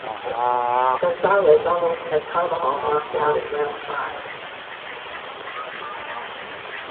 Gonzalez almost had Carbajal knocked out in round five.